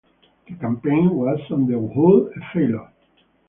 The campaign was on the whole a failure.